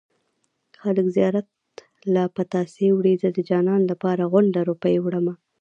خلک زيارت له پتاسې وړي زه د جانان لپاره غونډه روپۍ وړمه